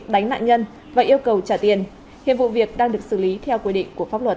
đánh nạn nhân và yêu cầu trả tiền hiệp vụ việc đang được xử lý theo quy định của pháp luật